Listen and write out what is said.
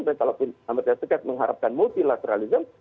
dan kalau amerika serikat mengharapkan multilateralism